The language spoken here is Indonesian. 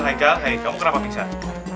hei kamu kenapa pingsan